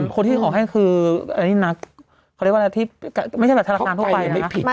คนที่ออกให้คืออันนี้นะไม่ใช่แบบธารการทั่วไปนะ